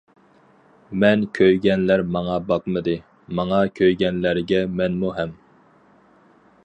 مەن كۆيگەنلەر ماڭا باقمىدى، ماڭا كۆيگەنلەرگە مەنمۇ ھەم.